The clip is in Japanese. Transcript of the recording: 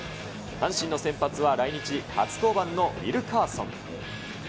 阪神の先発は来日初登板のウィルカーソン。